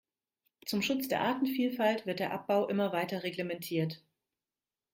Zum Schutz der Artenvielfalt wird der Abbau immer weiter reglementiert.